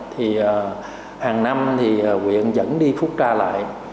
thì hàng năm thì huyện dẫn đi phút ra lại